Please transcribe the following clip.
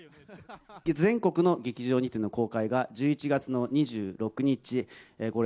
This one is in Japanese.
全国の劇場にての公開が１１月の２６日、これ、